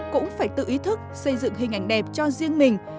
cũng phải tự ý thức xây dựng hình ảnh đẹp cho riêng mình